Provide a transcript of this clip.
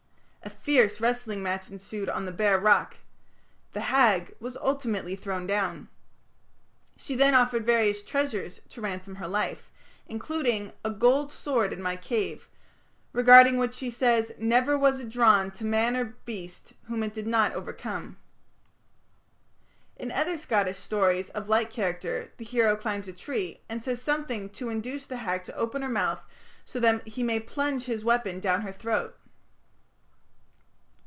A fierce wrestling match ensued on the bare rock. The Hag was ultimately thrown down. She then offered various treasures to ransom her life, including "a gold sword in my cave", regarding which she says, "never was it drawn to man or to beast whom it did not overcome". In other Scottish stories of like character the hero climbs a tree, and says something to induce the hag to open her mouth, so that he may plunge his weapon down her throat.